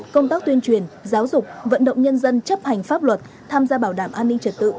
công tác tuyên truyền giáo dục vận động nhân dân chấp hành pháp luật tham gia bảo đảm an ninh trật tự